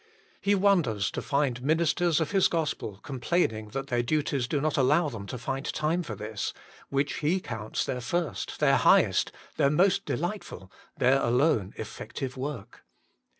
He wonders to find ministers of His gospel complaining that their duties do not allow them to find time for this, which He counts their first, their highest, their most delightful, their alone effective work.